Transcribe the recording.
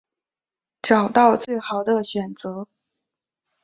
找到最好的选择